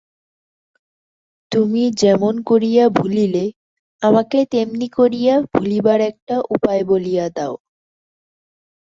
তুমি যেমন করিয়া ভুলিলে, আমাকে তেমনি করিয়া ভুলিবার একটা উপায় বলিয়া দাও।